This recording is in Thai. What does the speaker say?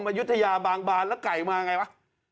มายุธยาบางบานแล้วไก่มาอย่างไรวะ